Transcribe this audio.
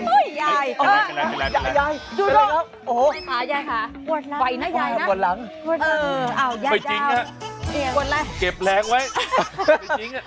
เออไปจริงน่ะเก็บแรงไว้เออยังอาวน์